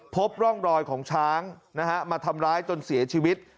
พบร่องรอยของช้างมาทำร้ายจนเสียชีวิต